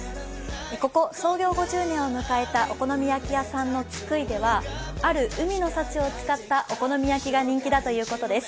ここ、創業５０年を迎えたお好み焼き屋さんの津久井ではある海の幸を使ったお好み焼きが人気だということです。